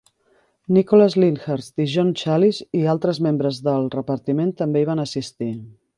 Nicholas Lyndhurst i John Challis i altres membres del repartiment també hi van assistir.